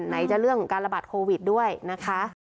ไหนจะเรื่องการระบาดโควิดด้วยนะคะ